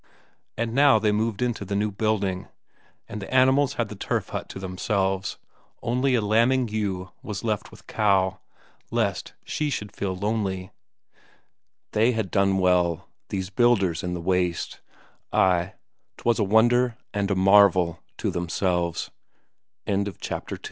And now they moved into the new building, and the animals had the turf hut to themselves, only a lambing ewe was left with Cow, lest she should feel lonely. They had done well, these builders in the waste: ay, 'twas a wonder and a marvel to themselves. Chapter II Isak worked on the land until the frost act in; ther